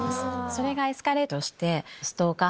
それがエスカレートして。